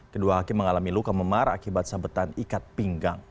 kedua hakim mengalami luka memar akibat sabetan ikat pinggang